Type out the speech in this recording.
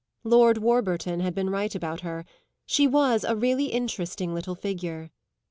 Lord Warburton had been right about her; she was a really interesting little figure.